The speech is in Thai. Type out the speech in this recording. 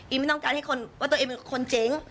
อิมไม่ต้องการว่าตัวเองเป็นคนเจ๋ง